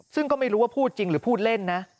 ซึ่งก็ไม่รู้ว่าพูดจริงหรือพูดเล่นนะ